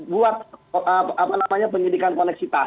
buat apa namanya penyidikan koneksitas